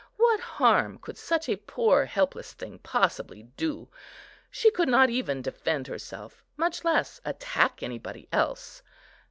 What harm could such a poor helpless thing possibly do? She could not even defend herself, much less attack anybody else.